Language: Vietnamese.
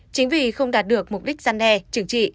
chính vì không đạt được mục đích gian đe chừng trị